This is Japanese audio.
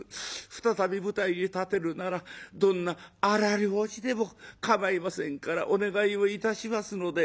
再び舞台へ立てるならどんな荒療治でもかまいませんからお願いをいたしますので」。